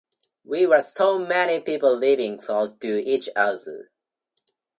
We were so many people living close to each other.